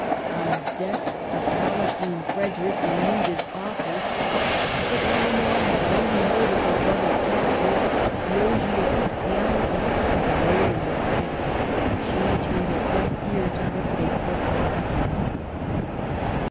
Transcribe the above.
On his death, the Palatine Frederic renewed his offers. But Leonor had 90 MARGARET OF ANGOULEME. already heard of her brother's captive, — the Ogier, the Amadis, the Roland of France. She turned a deaf ear to her faithful Palatine.